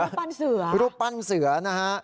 ปั้นเสือรูปปั้นเสือนะฮะ